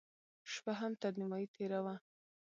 شپه هم تر نيمايي تېره وه.